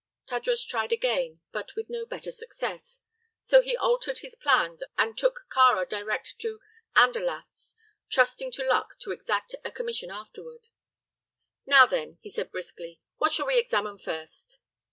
Tadros tried again, but with no better success; so he altered his plans and took Kāra direct to Andalaft's, trusting to luck to exact a commission afterward. "Now, then," said he, briskly, "what shall we examine first?"